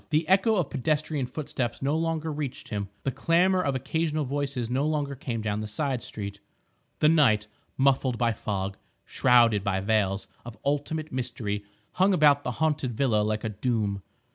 The echo of pedestrian footsteps no longer reached him, the clamour of occasional voices no longer came down the side street. The night, muffled by fog, shrouded by veils of ultimate mystery, hung about the haunted villa like a doom.